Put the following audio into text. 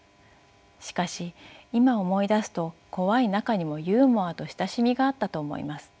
しかし今思い出すと怖い中にもユーモアと親しみがあったと思います。